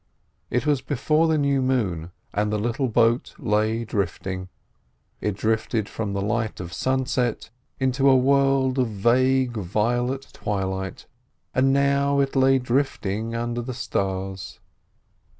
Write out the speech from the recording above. It was before the new moon, and the little boat lay drifting. It drifted from the light of sunset into a world of vague violet twilight, and now it lay drifting under the stars.